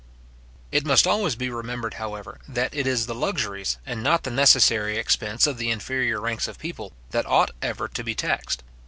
It must always be remembered, however, that it is the luxuries, and not the necessary expense of the inferior ranks of people, that ought ever to be taxed.